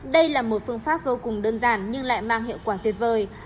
đây là một phương pháp vô cùng đơn giản nhưng lại mang hiệu quả tuyệt vời